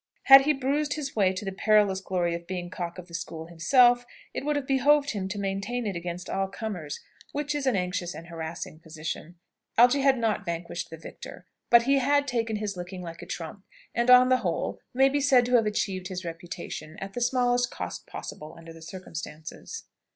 Had he bruised his way to the perilous glory of being cock of the school himself, it would have behoved him to maintain it against all comers; which is an anxious and harassing position. Algy had not vanquished the victor, but he had "taken his licking like a trump," and, on the whole, may be said to have achieved his reputation, at the smallest cost possible under the circumstances.